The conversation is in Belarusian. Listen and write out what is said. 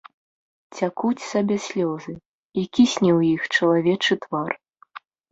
Цякуць сабе слёзы, і кісне ў іх чалавечы твар.